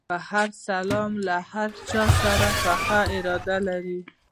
په هر سلام له هر چا سره پخه اراده لري.